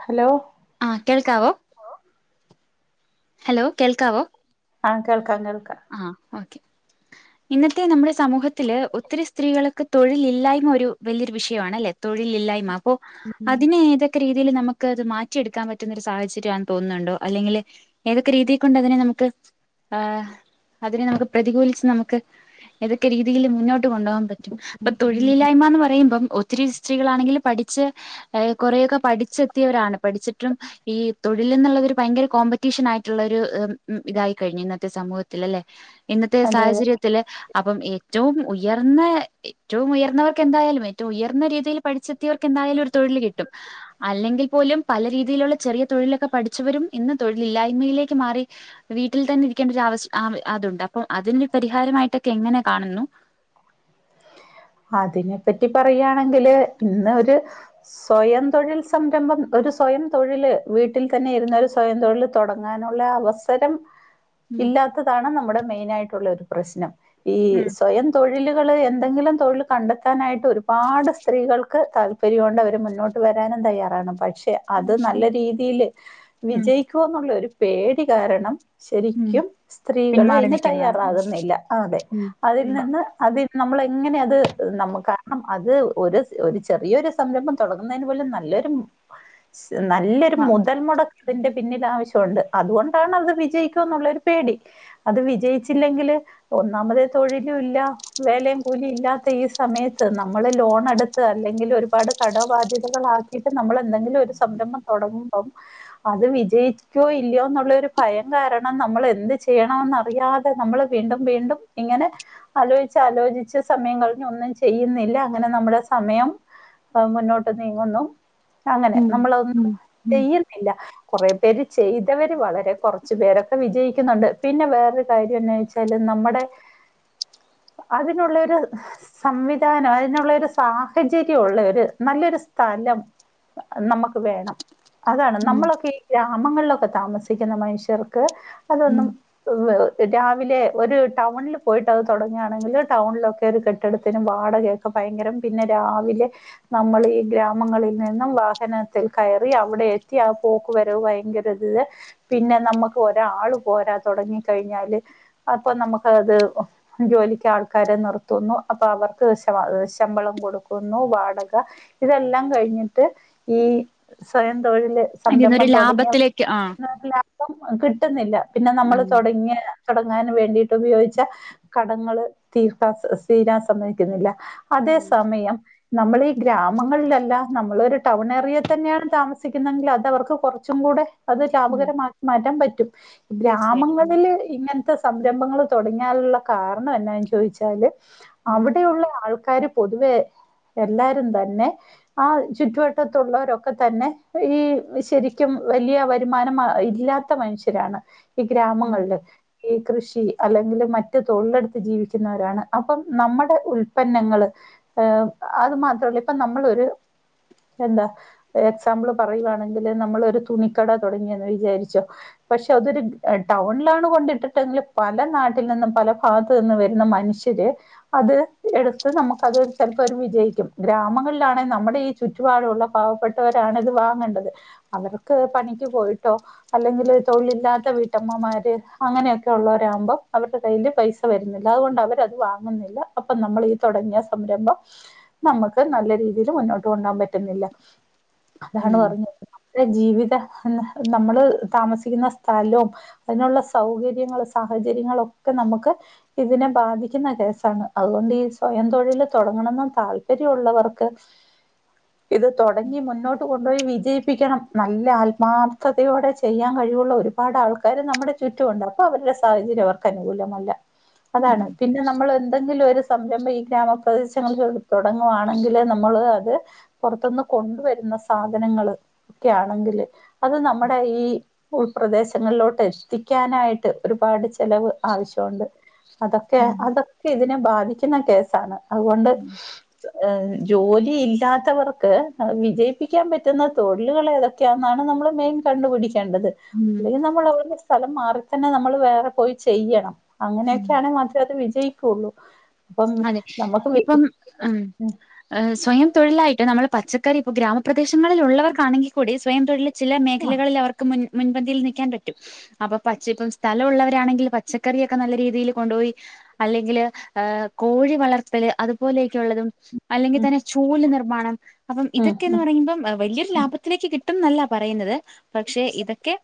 Hello ആഹ് കേൾക്കാവോ hello കേൾക്കാവോ? ആഹ് കേൾക്കാം കേൾക്കാം ആഹ് ഓക്കെ ഇന്നത്തെ നമ്മുടെ സമൂഹത്തില് ഒത്തിരി സ്ത്രീകൾക്ക് തൊഴില്ല്ലായ്മ ഒരു വലിയൊരു വിഷയാണല്ലെ തൊഴിലില്ലായ്മ. അപ്പോ അതിന് ഏതൊക്കെ രീതിയിൽ നമുക്ക് അത് മാറ്റിയെടുക്കാൻ പറ്റുന്നൊരു സാഹചര്യാന്ന് തോന്നുന്നുണ്ടോ അല്ലെങ്കില് ഏതൊക്കെ രീതികൊണ്ട് അതിനെ നമുക്ക് ഏഹ് അതിനെ നമുക്ക് പ്രതികൂലിച്ച് നമുക്ക് ഏതൊക്കെ രീതിയിൽ മുന്നോട്ട് കൊണ്ടുപോകൻ പ റ്റും ഇപ്പൊ തൊഴിലില്ലായ്മ എന്ന് പറയുമ്പം ഒത്തിരിസ്ത്രീകളാണെങ്കില് പഠിച്ച് ഏഹ് കുറെയൊക്കെ പഠിച്ചെത്തിയവരാണ് പഠിച്ചിട്ടും ഈ തൊഴിൽന്നുള്ളതൊരു ഭയങ്കര കോമ്പറ്റീഷൻ ആയിട്ടുള്ള ഒരു ഉം ഇതായിക്കഴിഞ്ഞു ഇന്നത്തെ സമൂഹ ത്തിലല്ലേ ഇന്നത്തെ അതെ അതെ സാഹചര്യത്തില് അപ്പം ഏറ്റവും ഉയർന്ന ഏറ്റവും ഉയർന്നവർക്ക് എന്തായാലും റ്റവും ഉയർന്ന രീതിയിൽ പഠിച്ചെത്തിയവർക്ക് എന്തായാലും ഒരു തൊഴിൽ കിട്ടും അല്ലെങ്കിൽ പോലും പല രീതിയിലുള്ള ചെറിയ തൊഴിലൊക്കെ പഠിച്ചവരും ഇന്ന് തൊഴിലില്ലായ്മയിലേക്ക് മാറി വീട്ടിൽ തന്നെ ഇരിക്കേണ്ട ഒരു അതുണ്ട് അപ്പൊ അതിനൊരു പരിഹാരമായിട്ടൊക്കെ എങ്ങനെ കാണുന്നു അതിനെ പറ്റി പറയയാണെങ്കില് ഇന്ന് ഒരു സ്വയം തൊഴിൽ സംരംഭം ഒരു സ്വയം തൊഴില് വീട്ടിൽ തന്നെ ഇരുന്ന ഒരു സ്വയം തൊഴിൽ തുടങ്ങാനുള്ള അവസരം [unintelligible] ഇല്ലാത്തതാണ് നമ്മുടെ മെയിൻ ആയിട്ടുള്ള ഒരു പ്രശ്നം ഈ സ്വയം തൊഴിലുകള് എന്തെങ്കിലും തൊഴിൽ കണ്ടെത്താനായിട്ട് ഒരുപാട് സ്ത്രീകൾക്ക് താല്പര്യം ഒണ്ട് അവര് മുന്നോട്ട് വരാനും തയ്യാറാണ് പക്ഷേ പക്ഷെ അത് നല്ല രീതില് ഉം വിജയിക്കുവൊ എന്നുള്ള ഒരു പേടി കാരണം ഉം ശരിക്കും സ്ത്രീകൾ പിന്മാറി അയ്ന് നിൽക്കുന്നതാണ് തയ്യാറാകുന്നില്ല ആഹ് അതെ ഉം അതിൽ ഉം നിന്ന് അതി നമ്മള് എങ്ങനെയ അത് നമ കാരണം അത് ഒരു ഒരു ചെറിയൊരു സംരംഭം തുടങ്ങുന്നതിന് പോലും നല്ലൊരു നല്ലൊരു മു മുതൽമുടക്ക് അതിന്റെ പിന്നിൽ ആവശ്യമുണ്ട് അതുകൊണ്ടാണ് അത് വിജയിക്കുവൊ എന്നുള്ളരു പേടി അത് വിജയിച്ചില്ലെങ്കില് ഒന്നാമത് തൊഴിലും ഇല്ല വേലയും കൂലി ഇല്ലാ ത്ത ഈ സമയത്ത് നമ്മള് ലോൺ എടുത്ത് അല്ലെങ്കിൽ ഒരുപാട് കടബാധ്യതകളാ ഇപ്പം നമ്മൾ എന്തെങ്കിലും ഒരു സംരംഭം തൊടങ്ങുമ്പം അത് വിജയിക്കോ ഇല്ലയോ എന്നുള്ളരു ഭയം കാരണം നമ്മൾ എന്ത് ചെയ്യണോന്നറിയാതെ നമ്മള് വീണ്ടും വീണ്ടും ഇങ്ങനെ ആലോയ്ച്ച് ആലോചിച്ച് സമയം ക ഇനി ഒന്നും ചെയ്യുന്നില്ല അങ്ങനെ നമ്മുടെ സമയം മുന്നോട്ട് നീങ്ങുന്നു അങ്ങനെ ഉം ഉം നമ്മളൊന്നും ഉം ഉം ചെയ്യുന്നില്ല കുറേ പേര് ചെയ്തവര് വളരെ കുറച്ചു പേരൊക്കെ വിജയിക്കുന്നുണ്ട് പിന്നെ വേറൊരു കാര്യം എന്നാ വെച്ചാല് നമ്മുടെ അതിനുള്ളൊരു സംവിധാനം അതിനുള്ള ഒരു സാഹചര്യം ഉള്ള ഒരു നല്ലൊരു സ്ഥലം നമുക്ക് വേണം അതാണ് ഉം നമ്മളൊക്കെ ഈ ഗ്രാമങ്ങളിലൊക്കെ താമസിക്കുന്ന മനുഷ്യർക്ക് ഉം അതൊന്നും രാവിലെ ഒരു ടൗണിൽ പോയിട്ടത് തുടങ്ങുകയാണെങ്കിൽ ടൗണിലൊക്കെ ഒരു കെ ട്ടിടത്തിന് വാടക ഒക്കെ ഭയങ്കരം പിന്നെ രാവിലെ നമ്മൾ ഈ ഗ്രാമങ്ങളിൽ നിന്നും വാഹനത്തിൽ കയറി അവിടെ എത്തി ആ പോ ക്ക് വരവ് ഭയങ്കര ഇത് പിന്നെ നമ്മുക്ക് ഒരാള് പോരാ തുടങ്ങി കഴിഞ്ഞാല് അപ്പൊ നമുക്ക് അത് ജോലിക്ക് ആൾക്കാരെ നിർത്തുന്നു അപ്പൊ അവർക്ക് ശ ശമ്പളം കൊടുക്കുന്നു വാടക ഇതെല്ലാം കഴിഞ്ഞിട്ട് ഈ സ്വയം തൊഴില് അതിന്നൊരു സംരംഭം തുടങ്ങിയ ലാഭത്തിലേക്ക് ആ ലാഭം കിട്ടുന്നില്ല പിന്നെ നമ്മള് ഉം തുടങ്ങിയ തുടങ്ങാൻ വേണ്ടിട്ട് ഉപയോഗിച്ച കടങ്ങള്ൾ തീർത്താ സ് തീരാ സമ്മതിക്കുന്നില്ല അതേ ഉം സമയം നമ്മളീ ഗ്രാമങ്ങളിലല്ല, നമ്മളൊരു ടൗണേറിയെ തന്നെയാണ് താമസ് സിക്കുന്നെങ്കിൽ അതവർക്ക് കൊറച്ചും കൂടെ അത് ഉം ലാഭകരമാക്കി മാറ്റാൻ പറ്റും തീർച്ചയായിട്ടും ഗ്രാമങ്ങളില് ഇങ്ങനത്തെ സംരംഭങ്ങള് തുടങ്ങിയാലുള്ള കാരണം എന്നാന്ന് ചോദിച്ചാല് ഉം അവിടെയുള്ള ആൾക്കാര് പൊതുവെ എല്ലാരും തന്നെ ആ ചുറ്റുവട്ടത്തുള്ളവരൊക്കെ തന്നെ ഈ ശരിക്കും വലിയ വരുമാനം മ ഇല്ലാ ത്ത മനുഷ്യരാണ് ഈ ഉം ഗ്രാമങ്ങളില് ഈ കൃഷി അല്ലെങ്കില് മറ്റു തൊഴിലെടുത്ത് ജീവിക്കുന്നവരാണ് അപ്പം നമ്മടെ ഉൽപന്നങ്ങള് ഈഹ് അത് മാത്രല്ല ഇപ്പൊ നമ്മളൊര് എന്താ എക്സാമ്പിൾ പറയുവാണെങ്കില് നമ്മളൊ തുണിക്കട തുടങ്ങിയെന്ന് വിചാരിച്ചോ പക്ഷെ അതൊരു ടൗണിലാണ് കൊണ്ടിട്ടിട്ടെങ്കിൽ പല നാട്ടിൽ നിന്നും പല ഭാഗത്ത്‌ നിന്നും വരുന്ന മനുഷ്യ ര് അത് എടുത്ത് നമുക്കത് ചെലപ്പോ അത് വിജയിക്കും. ഗ്രാമങ്ങളിലാണെ നമ്മുടെ ഈ ചുറ്റുപാടുള്ള പാവപ്പെട്ടവരാണ് ഇത് വാങ്ങണ്ടത് അവർക്ക് പണിക്ക് പോയിട്ടോ അല്ലെങ്കില് തൊഴിലില്ലാത്ത വീട്ടമ്മമാര് അങ്ങനെയൊക്കെ ഉള്ളവരാകുമ്പം അവരുടെ കയ്യില് പൈസ വരുന്നില്ല അതുകൊണ്ട് അവരത് വാങ്ങുന്നില്ല. അപ്പൊ നമ്മളീ തുടങ്ങിയ സംരംഭം നമ്മക്ക് നല്ല രീതിയില് മുന്നോട്ട് കൊണ്ടോവാൻ പറ്റുന്നില്ല, അതാണ് ഉം പറഞ് അവ്ട്തേ ജീവിതംഅന്നെ നമ്മള് താമസിക്കുന്ന സ്ഥലും അതിനുള്ള സൗകര്യങ്ങളും സാഹചര്യങ്ങളൊക്കെ നമുക്ക് ഇതിനെ ബാധി ക്കുന്ന കേസാണ്. അതുകൊണ്ട് ഈ സ്വയം തൊഴില് തൊടങ്ങണന്ന് താല്പര്യള്ളവർക്ക് [inaudible] ഇത് തൊടങ്ങി മുന്നോട്ട് കൊണ്ടുപോയി വിജയിപ്പിക്കണം. നല്ല ആത്മാർത്ഥതയോടെ ചെയ്യാൻ കഴിവുള്ള ഒരു പാടാൾക്കാര് നമ്മുടെ ചുറ്റുമുണ്ട്. അപ്പവരുടെ സാഹചര്യം അവർക്കനുകൂലമല്ല അതാണ്, ഉം പിന്നെ നമ്മള് എന്തെങ്കിലും ഒരു സംരംഭം ഈ ഗ്രാമപ്രദേശങ്ങൾ എടു തൊടങ്ങുവാണെങ്കില് നമ്മള് അത് പൊർത്തുന്ന് കൊണ്ടുവരുന്ന സാധനങ്ങള് ഒക്കെ ആണെങ്കില് അത് നമ്മുടെ ഈ ഉൾപ്രദേശങ്ങളിലോട്ട് എത്തിക്കാനായിട്ട് ഒരുപാട് ചെലവ് ആവശ്യഒണ്ട് അത ക്കേ ഉം അതൊക്കെ ഇതിനെ ബാധിക്കുന്ന കേസാണ് അഹുകൊണ്ട് ജോലിയില്ലാത്തവർക്ക് വിജയിപ്പിക്കാൻ പറ്റുന്ന തൊഴിലുകളേതൊക് ക്ക്യന്നാണ് നമ്മള് മെയിൻ കണ്ടു പിടിക്കേണ്ടത് ഉം പിന്നെ നമ്മളോരു സ്ഥലം മാറിത്തന്നെ നമ്മൾ വേറെ പോയി ചെയ്യണം ഉം അങ്ങനെയൊക്കെയാണെ മാ ത്രേ വിജയിക്കുള്ളൂ പ്പം അതെ നമ്മക്ക് ഉം ഹ്‌ സ്വയം തൊഴിലായിട്ട് നമ്മള് പച്ചക്കറിപ്പോ ഗ്രാമപ്രദേശങ്ങളിലുള്ളവർക്കാണെങ്കി കൂടി സ്വയം തൊഴില് ചില ആഹ് മേഖലകളിൽ അവർക്ക് മുൻ മുൻപന്തിയിൽ നിൽക്കാൻ പറ്റും അപ്പൊ പച്ചപ്പ് സ്ഥല ഉള്ളവരാണെങ്കിൽ പച്ചക്കറിയൊക്കെ നല്ല രീതിയില് കൊണ്ടുപോയി അല്ലെങ്കില് ഏഹ് കോഴി വളർത്തല് അതുപോലെയൊക്കെഉള്ളതും ഉം അല്ലെങ്കിതന്നെ ചൂല് നിർമ്മാണം അപ്പം ഉം ഇതൊക്കെന്ന് ഉം പറയുമ്പം വല്യോരു ലാഭത്തിലേക്ക് കിട്ടുന്നല്ല പറയുന്നത് പക്ഷെ ഇതൊക്കെ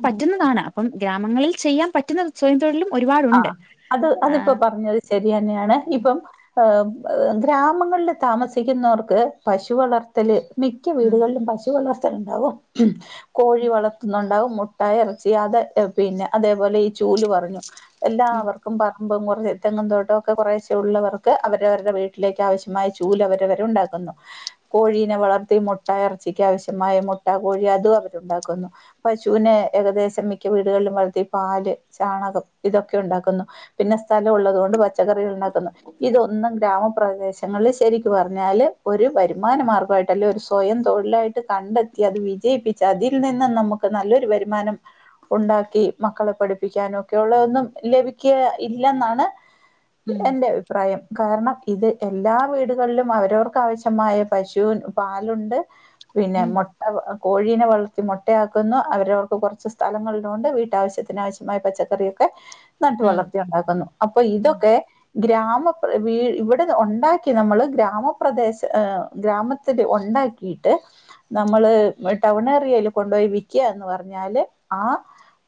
ഉം. അപ്പം ഗ്രാമങ്ങളിൽ ചെയ്യാൻ പറ്റുന്ന സ്വയം തൊഴിലും ഒരുപാടുണ്ട് ആഹ് അത് അതിപ്പോ ആഹ്‌ പറഞ്ഞത് ശരിയന്നെയാണ് ഇപ്പം അഹ് ഹ്‌ ഗ്രാമങ്ങളില് താമസിക്കുന്നവർക്ക് പശു വളർ ത്തല് മിക്ക ഉം വീടുകളിലും പശു വളർത്തലുണ്ടാവും കോഴി വളർത്തുന്നു ണ്ടാവും മുട്ടായും എറച്ചി അത് പിന്നെ അതേപോലെ ഈ ചൂല് പറഞ്ഞു ഉം എല്ലാവർ ക്കും പറമ്പും കുറേ തെങ്ങും തോട്ടവും ഒക്കെ കുറേശേ ഉള്ളവർക്ക് അവരവരുടെ വീട്ടിലേക്ക് ആവശ്യ മായ ചൂലവരെവര് ഉണ്ടാക്കുന്നു കോഴീനെ വളർത്തി മുട്ട എറച്ചിക്ക് ആവശ്യമായ മുട്ട കോഴി അതും അവരുണ്ടാക്കുന്നു പശുവിനെ ഏകദേശം മിക്ക വീടുകളിലും വളർത്തി പാല് ചാണകം ഇതൊക്കെ ഉണ്ടാക്കുന്നു പിന്നെ സ്ഥലം ഉള്ളത്കൊണ്ട് പച്ചക്കറികള്ണ്ടാക്കുന്നു ഇതൊന്നും ഗ്രാമപ്രദേശങ്ങളില് ശരിക്ക്പറഞ്ഞാല് ഒരു വരുമാന മാർഗമായിട്ടല്ലെ ഒരു സ്വയം തൊഴിലായിട്ട് ട്ട് കണ്ടെത്തി അത് വിജയിപ്പിച്ച അതിൽ നിന്നും നമുക്ക് നല്ലൊരു വരുമാനം ഉണ്ടാക്കി മക്കളെ പഠിപ്പിക്കാനും ഒക്കെള്ളരു ഒന്നും ലഭിക്യാ ഇല്ലെന്നാണ് ഉം എന്റെ ആ പ്രായം കാരണം ഇത് എല്ലാ വീടുകളിലും അവരവർക്ക് ആാവശ്യമായ പശു പാലുണ്ട് പിന്നെ ഉം മോ ട്ട കോഴീനെ വളർത്തി മുട്ടയാക്കുന്നു അവരവർക്ക് കൊറച്ച് സ്ഥലങ്ങളില്ള്ളോണ്ട് വീട്ടാവശ്യത്തിന ആവശ്യമായ പച്ചക്കറി ക്കേ നട്ട് ഉം വളർത്തി ഉണ്ടാക്കുന്നു അപ്പൊ ഇതൊക്കെ ഗ്രാമപ്ര ഇവിടെ ഉണ്ടാക്കി നമ്മള് ഗ്രാമപ്രദേശ ഹ്‌ ഗ്രാമത്തില് ഒണ്ടാക്കി കിട്ട് നമ്മള് ടൗൺ ഏറിയല് കൊണ്ടോ പോയി വിക്ക്യാന്ന് പറഞ്ഞാല് ആ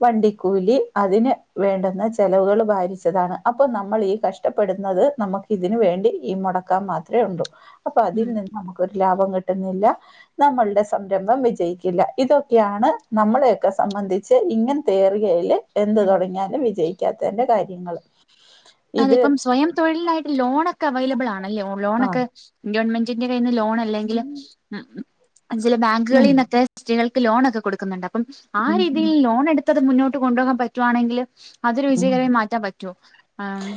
വണ്ടിക്കൂലി അതിന് വേണ്ടുന്ന ചെലവുകൾ വാരിച്ചതാണ് അപ്പൊ നമ്മൾ ഈ കഷ്ടപ്പെടുന്നത് നമുക്ക് ഇതിന് വേണ്ടി ഈ മുട ക്കാം മാത്രഒള്ളൂ അപ്പൊ അതിൽ ഉം നിന്ന് നമുക്കൊരു ലാഭം കിട്ടുന്നില്ല നമ്മൾടെ സംരംഭം വിജയിക്കില്ല ഇതൊക്കെയാണ് നമ്മളെയൊക്കെ സംബന്ധി ച്ച് ഇങ്ങൻതേ ഏറീയേല് എന്ത് ഉം തുടങ്ങിയാലും വിജയിക്കാത്തന്റെ കാര്യങ്ങള് അതെ ഇപ്പം സ്വയം തൊഴിലിനാഴിട്ട് ലോണോക്കെ അവൈലബിൾ ആണല്ലോ ആ ലോലോനോക്കെ ഗവൺമെന്റിന്റെ കയ്യിൽ നിന്ന് ലോണ അല്ലെങ്കിൽ ഉം ഉം ചില ബാങ്കുകളിൽ ഉം നിന്നൊക്കെ സ്ത്രീകൾക്ക് ലോണൊക്കെ കൊടുക്കുന്നുണ്ട് അപ്പം ആ ഉം രീതിയിൽ ലോൺ എടുത്തത് മുന്നോട്ട് കൊണ്ടുപോകാൻ പറ്റുവാണെങ്കിൽ അതൊരു വിജയകരമായി മാറ്റാൻ പറ്റോ ആഹ്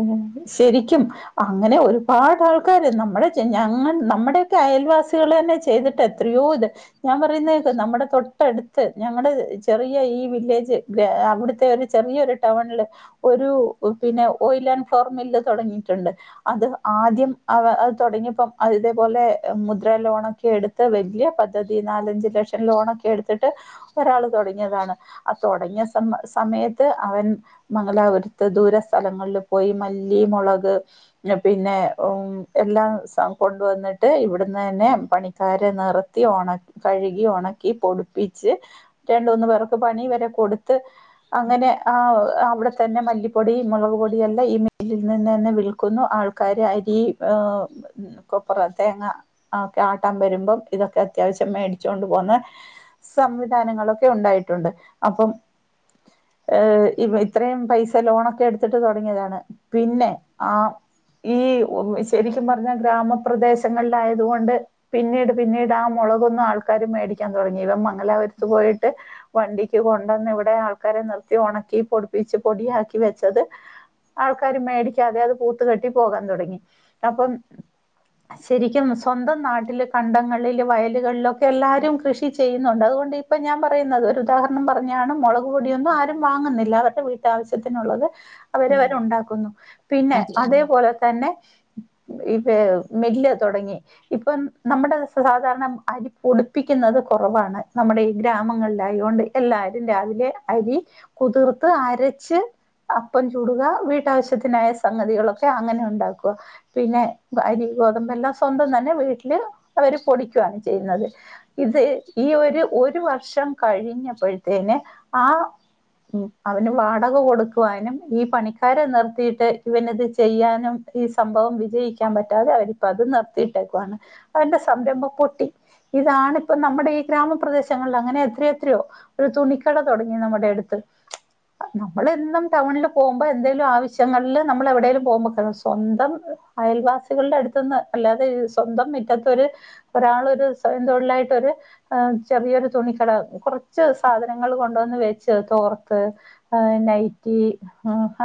ഉം ശരിക്കും അങ്ങനെ ഒരുപാട് ആൾക്കാര് നമ്മുടെ ഞങ്ങ നമ്മുടെയൊക്കെ അയൽവാസികൾ തന്നെ ചെയ്തിട്ട് ത്രയോദ് ഞാൻ പറയുന്നതേക്ക് നമ്മുടെ തൊട്ടടുത്ത് ഞങ്ങളുടെ ചെറിയ ഈ വില്ലേജ് അവിടുത്തെ ഒരു ചെറിയൊരു ടൗണില് ഒരു പിന്നെ ഓയി ആൻ് ഫോർമില് തുടങ്ങിയിട്ടുണ്ട് അത് ആദ്യം അവ അത് തുടങ്ങിയപ്പോം അതേപോലെ മുദ്ര ലോണൊക്കെ എടുത്ത് വല്യയ പദ്ധതി നാലഞ്ച് ലക്ഷം ലോണൊക്കെ എടുത്തിട്ട് ഒരാൾ തൊടങ്ങിയതാണ് ആ തൊടങ്ങിയ സമ സമയ ത്ത് അവൻ മംഗലാപുരത്ത് ദൂര സ്ഥലങ്ങളിൽ പോയി മല്ലി മൊളക് പിന്നെ ഉം എല്ലാം കൊണ്ടുവന്നിട്ട് ഇവിടുന്ന് തന്നെ പണിക്കാരെ നിറ ത്തി ഒണക്കി കഴുകി ഒണക്കി പൊടിപ്പിച്ച് രണ്ടൂന്ന് പേർക്ക് പണി വരെ കൊടുത്ത് അങ്ങനെ അവിടെത്തന്നെ മല്ലിപ്പൊടി മൊളക് പൊടിയും എല്ലാം ഈ മില്ലിൽ നിന്ന് തന്നെ വിൽക്കുന്നു ആൾക്കാർ അരി ഏ കൊപ്പറ തേങ്ങ ആക്കെ ആട്ടൻ വരുമ്പം ഇതൊക്കെ അത്യാവശ്യം മേടിച്ചു കൊണ്ട് പോന്ന സംവിധാനങ്ങളൊക്കെ ഉണ്ടായിട്ടുണ്ട് അപ്പം ഏ ഇത്രയും പൈസ ലോണൊക്കെ എടുത്തിട്ട് തൊടങ്ങിയതാണ് പിന്നെ ആഹ് ഈ ശരിക്കും പറഞ്ഞാ ഗ്രാമപ്രദേശങ്ങളിലായത്കൊണ്ട് പിന്നീട് പിന്നീട് ആ മൊളകൊന്നും ആൾക്കാരർ മേടിക്കാൻ തൊടങ്ങി ഇവ മ ഗലാപുരത്ത് പോയിട്ട് വണ്ടിക്ക് കൊണ്ടന്ന് ഇവിടെ ആൾക്കാരെ നിർ ഉണക്കി പൊടിപ്പിച്ച് പൊടിയാക്കി വെച്ചത് ആൾക്കാര് മേടിക്കാതെ അത് പൂത്ത് കെട്ടി പോകാൻ തുടങ്ങി അപ്പം ശരിക്കും സ്വന്തം നാട്ടില് കണ്ടങ്ങളില് വയലുകളിലൊക്കെ എല്ലാവരും കൃഷി ചെയ്യുന്നുണ്ട് അതുകൊണ്ട് ഇപ്പൊ ഞാൻ പറയുന്നത് ഒരു ഉദാഹരണം പറഞ്ഞാണ് മുളക് പൊടിയൊന്നും ആരും ങ്ങുന്നില്ല ഒക്കെ വീട്ടാവശ്യത്തിനുള്ളത് ഉം അവരെവര് ഉണ്ടാക്കുന്നു പിന്നെ അതെ അതേപോലെ തന്നെ ഇപ്പൊ മില്ല് തുടങ്ങി ഇപ്പം നമ്മുടെ സാധാരണ അരിപ്പൊടിപ്പിക്കുന്നത് കൊറവാണ് നമ്മുടെ ഈ ഗ്രാമങ്ങളിലായോണ്ട് എല്ലാരും രവിലെ അരി കുതിർത്ത് അരച്ച് അപ്പം ചൂടുക വീട്ടാവശ്യത്തിനായ സംഗതികളൊക്കെ അങ്ങനെ ഉണ്ടാക്കുവ പിന്നെ അരി ഗോതമ്പ് എല്ലാം സ്വന്തം തന്നെ വീട്ടില് അവര് പൊടിക്കുവാണ് ചെയ്യുന്നത് ഇത് ഈ ഒരു ഒരു വർഷം കഴിഞ്ഞപ്പഴത്തേന് ആഹ് ഉം അവന് വാടക കൊടുക്കുവാനും ഈ പണിക്കാരെ നിർത്തിയിട്ട് ഇവന് ഇത് ചെയ്യാനും ഈ സംഭവം വിജയിക്കാൻ പറ്റാതെ അവരിപ്പ അത് നിർത്തിയിട്ടേക്കുവാണ് അവന്റെ സംരംഭം പൊട്ടി ഇതാണിപ്പം നമ്മുടെ ഈ ഗ്രാമപ്രദേശങ്ങളിൽ അങ്ങനെ എത്ര എത്രയോ ഒരു തുണിക്കട തുടങ്ങി നമ്മുടെ അടുത്ത് ത്ത് നമ്മൾ എന്നും ടൗണില് പോകുമ്പോ എന്തെലും ആവശ്യങ്ങളില് നമ്മൾ എവിടെലും പോകുമ്പോ സ്വന്തം അയൽവാസികളുടെ അടുത്തുന്ന് അല്ലാതെ സ്വന്തം മിറ്റത്തൊരു ഒരാളൊരു സ്വയം തൊഴിലായിട്ടൊരു ഏഹ് ചെറിയൊരു തുണിക്കട കുറച്ച് സാധനങ്ങൾ കൊണ്ടുവന്ന് വെച്ച് തോർത്ത് ഏഹ് നൈറ്റി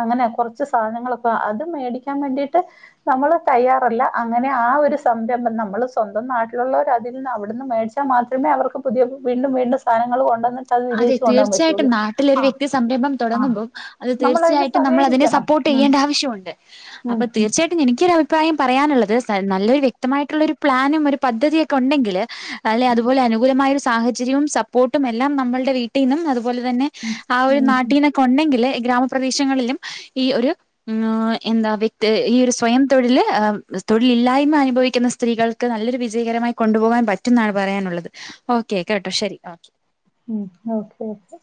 അങ്ങനെ കുറച്ച് സാധനങ്ങളൊക്കെ അത് മേടിക്കാൻ മേണ്ടിട്ട് നമ്മള് തയ്യാറല്ല അങ്ങനെ ആ ഒരു സംരംഭം നമ്മള് സ്വന്തം നാട്ടിലുള്ളവര അതിൽ നിന്ന് അവിടുന്ന് മേടി ച്ചാൽ മാത്രമേ അവർക്ക് പുതിയ വീണ്ടും വീണ്ടും സാനങ്ങള് കൊണ്ടു വന്നിട്ടത് വിജയിച്ചു കൊണ്ടോവാൻ പറ്റൂ ഇപ്പൊ നാട്ടിലൊരു വ്യക്തി സംരംഭം തുടങ്ങുമ്പം അത് നമ്മളതിന് തീർച്ചയായിട്ടും നമ്മൾ അതിനെ സഹകരിക്കണം. സപ്പോർട്ട് ഉം ചെയ്യേണ്ട ആവശ്യമുണ്ട് ഉം അപ്പൊ ഉം തീർച്ചയാ എനിക്കൊരഭിപ്രയം പറയാനുള്ളത് നല്ലൊരു വ്യക്തമായിട്ടുള്ളൊരു പ്ലാനും ഒരു പദ്ധതിയൊക്കെ ഉണ്ടെങ്കിൽ അല്ലെ അതുപോലെ അനുകൂലമായ ഒരു സാഹചര്യവും സപ്പോർട്ടും എല്ലാം നമ്മൾ വീട്ടിന്നും അതുപോലെ തന്നെ ആ ഒരു ഉം ഉം നാട്ടീന്നൊ കൊണ്ടെങ്കില് ഗ്രാമപ്രദേശങ്ങളിലും ഈ ഒരു ഉം എന്താ വ്യക്തി ഈ ഒരു സ്വയം തൊഴിൽ ഏഹ് തൊഴിലില്ലായ്മ അനുഭവിക്കുന്ന സ്ത്രീകൾ ക്ക് നല്ലൊരു വിജയകരമായി കൊണ്ടുപോകാൻ പറ്റും എന്നാണ് പറയാനുള്ളത് ഓക്കെ കേട്ടോ ശരി ഓക്കെ ഉം ഓക്കെ ഓക്കെ